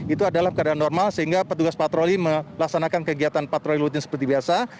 itu adalah keadaan normal sehingga petugas patroli melaksanakan kegiatan patroli rutin seperti biasa